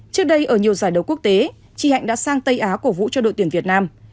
trước đây ở nhiều giải đấu quốc tế chị hạnh đã sang tây á cổ vũ cho đội tuyển việt nam